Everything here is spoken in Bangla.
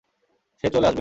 সে চলে আসবে।